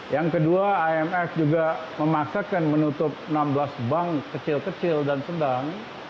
yang kedua imf juga memaksakan menutup enam belas bank kecil kecil dan sedang